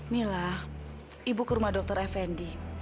mila ibu ke rumah dr effendi